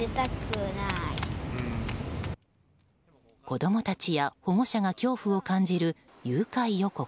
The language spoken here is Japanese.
子供たちや保護者が恐怖を感じる誘拐予告。